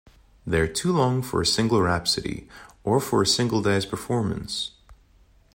They are too long for a single rhapsode or for a single day's performance.